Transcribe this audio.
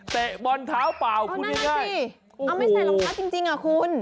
เตะบอลเท้าเปล่าคุณยังไงเอาไม่ใส่รองเท้าจริงอ่ะคุณ